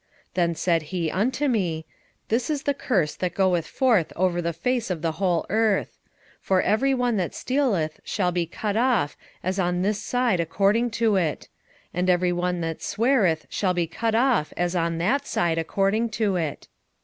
5:3 Then said he unto me, This is the curse that goeth forth over the face of the whole earth: for every one that stealeth shall be cut off as on this side according to it; and every one that sweareth shall be cut off as on that side according to it.